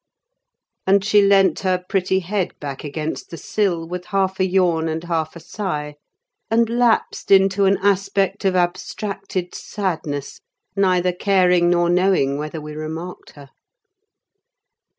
And she leant her pretty head back against the sill, with half a yawn and half a sigh, and lapsed into an aspect of abstracted sadness: neither caring nor knowing whether we remarked her.